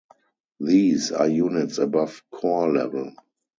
These are units above corps level.